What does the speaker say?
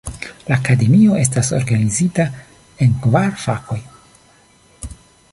La akademio estas organizita en kvar fakoj.